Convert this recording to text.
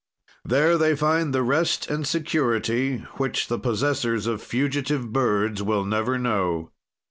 "There they find the rest and security, which the possessors of fugitive birds will never know.